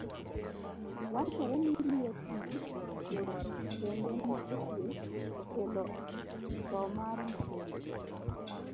Wachore ni lietno kendo ne ochwe okelo thoo mar nyithindo .